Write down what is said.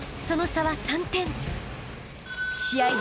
［その差は３点］